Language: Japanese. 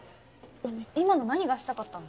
今の何がしたかったの？